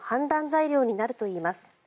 材料になるといいます。